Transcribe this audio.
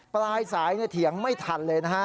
ปลายสายเถียงไม่ทันเลยนะฮะ